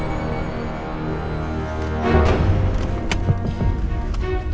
nanti kita ke rumah